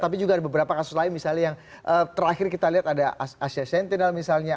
tapi juga ada beberapa kasus lain misalnya yang terakhir kita lihat ada asia sentinel misalnya